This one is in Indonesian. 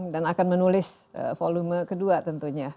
dan akan menulis volume kedua tentunya